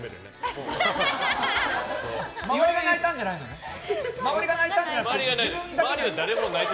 周りが泣いたんじゃなくて？